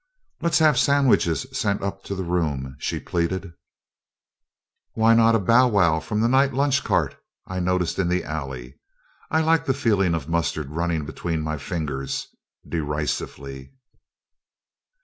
"Let's have sandwiches sent up to the room," she pleaded. "Why not a bow wow from the night lunch cart I noticed in the alley? I like the feeling of the mustard running between my fingers," derisively.